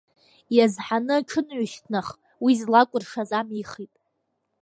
Иазҳаны аҽынҩышьҭнах, уи злакәыршаз амихит.